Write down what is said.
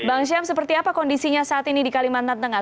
bang syam seperti apa kondisinya saat ini di kalimantan tengah